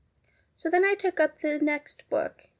"'So then I took up the next book.